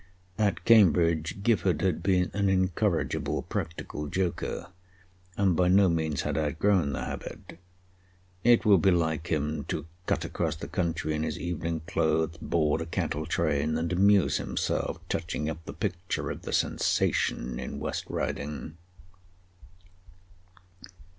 At Cambridge Gifford had been an incorrigible practical joker, and by no means had outgrown the habit; it would be like him to cut across the country in his evening clothes, board a cattle train, and amuse himself touching up the picture of the sensation in West Riding.